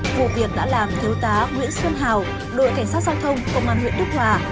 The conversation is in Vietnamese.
vụ việc đã làm thiếu tá nguyễn xuân hào đội cảnh sát giao thông công an huyện đức hòa